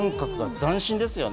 斬新ですよね。